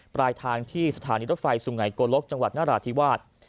ปลายทางที่สถานีรถไฟสุไงโกลกจังหวัดนราธิวาส